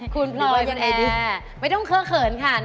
คุณพลอยมันแอไม่ต้องเครื่องเขินค่ะ